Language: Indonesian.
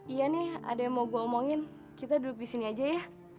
iya nih ada yang mau gue omongin kita duduk di sini aja ya